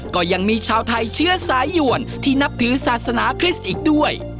ก็ยังมีชาวไทยเชื้อสายหยวนที่นับถือศาสนาคริสต์อีกด้วย